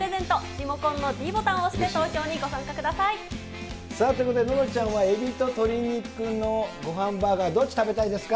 リモコンのｄボタンを押して投票にご参加ください。ということでののちゃんは、えびと鶏肉のごはんバーガー、どっち食べたいですか？